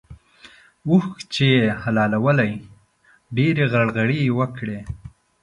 اوښ چې يې حلالوی؛ ډېرې غرغړې يې وکړې.